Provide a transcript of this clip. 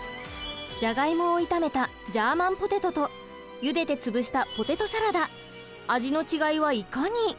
ジャガイモを炒めたジャーマンポテトとゆでて潰したポテトサラダ味の違いはいかに？